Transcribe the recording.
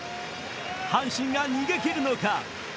阪神が逃げ切るのか？